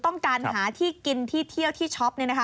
ต้องการหาที่กินที่เที่ยวที่ช็อป